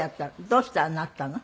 どうしたらなったの？